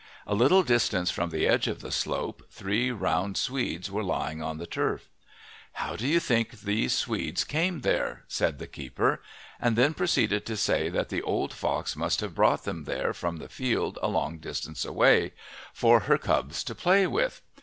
A little distance from the edge of the slope three round swedes were lying on the turf. "How do you think these swedes came here?" said the keeper, and then proceeded to say that the old fox must have brought them there from the field a long distance away, for her cubs to play with.